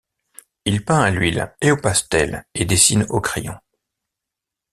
Il peint à l'huile et au pastel et dessine au crayon.